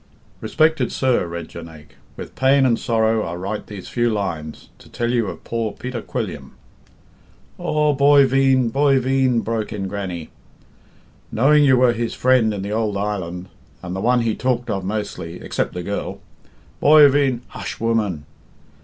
"'Respected Sir,'" read Jonaique, "'with pain and sorrow I write these few lines, to tell you of poor Peter Quilliam '" "Aw boy veen, boy veen!" broke in Grannie. "'Knowing you were his friend in the old island, and the one he talked of mostly, except the girl '" "Boy ve " "Hush, woman."